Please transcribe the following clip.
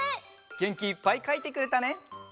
げんきいっぱいかいてくれたね。